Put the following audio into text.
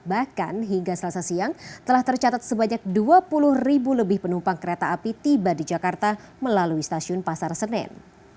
bahkan hingga selasa siang telah tercatat sebanyak dua puluh ribu lebih penumpang kereta api tiba di jakarta melalui stasiun pasar senen